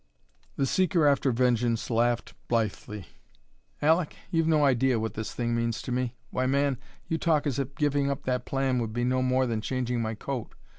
The seeker after vengeance laughed blithely. "Aleck, you've no idea what this thing means to me. Why, man, you talk as if giving up that plan would be no more than changing my coat!